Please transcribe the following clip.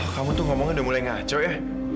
kamu tuh ngomongnya udah mulai ngaco ya